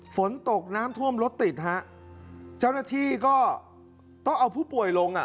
ฝนตกน้ำท่วมรถติดฮะเจ้าหน้าที่ก็ต้องเอาผู้ป่วยลงอ่ะ